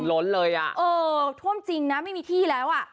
ล้นเลยอ่ะเออท่วมจริงนะไม่มีที่แล้วอ่ะ